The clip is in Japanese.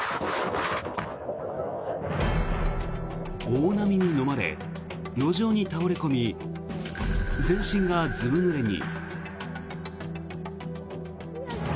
大波にのまれ、路上に倒れ込み全身がずぶぬれに。